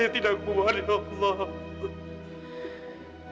saya tidak kuat ya allah